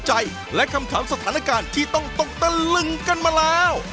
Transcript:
และคำถามสถานการณ์ที่ต้องตกตะลึงกันมาแล้ว